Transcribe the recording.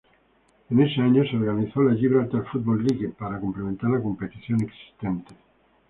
En ese año se organizó la Gibraltar Football League para complementar la competición existente.